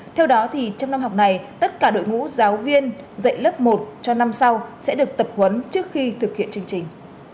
theo đó trong năm học này tất cả đội ngũ giáo viên dạy lớp một cho năm sau sẽ được tập huấn trước khi thực hiện chương trình